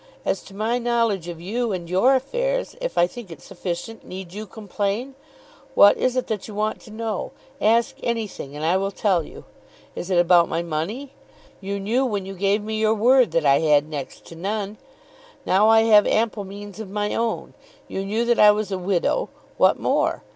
As to my knowledge of you and your affairs, if I think it sufficient, need you complain? What is it that you want to know? Ask anything and I will tell you. Is it about my money? You knew when you gave me your word that I had next to none. Now I have ample means of my own. You knew that I was a widow. What more?